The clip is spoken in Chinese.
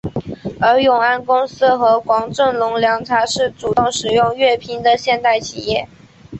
而永安公司和黄振龙凉茶是主动使用粤拼的现代企业。